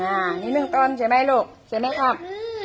อันนี้หนึ่งต้นใช่ไหมลูกใช่ไหมครับ